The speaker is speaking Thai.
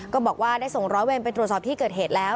ก็บอกว่าได้ส่งร้อยเวรไปตรวจสอบที่เกิดเหตุแล้ว